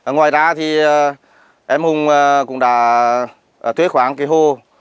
ngoài ra thì em hùng cũng đã thuế khoảng cái hồ